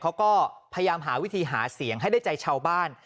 เขาก็พยายามหาวิธีหาเสียงให้ได้ใจชาวบ้าน